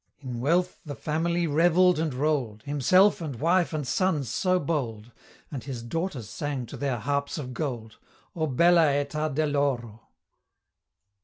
_ In wealth the family revell'd and roll'd, Himself and wife and sons so bold; And his daughters sang to their harps of gold "O bella eta del'oro!"